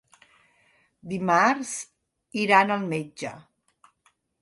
Dimarts iran al metge.